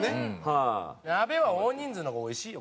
鍋は大人数の方がおいしいよ